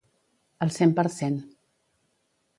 Al cent per cent.